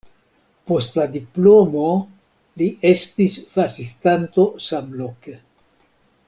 Post la diplomo li estis asistanto samloke.